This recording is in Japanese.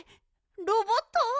ロボット？